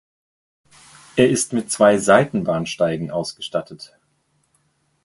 Er ist mit zwei Seitenbahnsteigen ausgestattet.